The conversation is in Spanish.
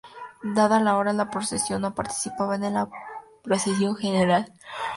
Dada la hora de la Procesión, no participaban en la Procesión General.